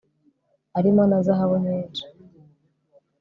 arimo na zahabu nyinshi